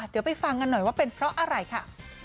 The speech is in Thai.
เดี๋ยวไปฟังกันหน่อยว่าเป็นเพราะอะไรค่ะ